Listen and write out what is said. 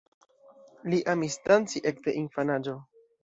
Li amis danci ekde infanaĝo.